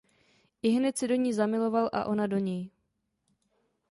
Ihned se do ní zamiloval a ona do něj.